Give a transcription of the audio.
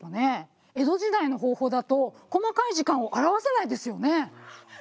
江戸時代の方法だと細かい時間を表せないですよね。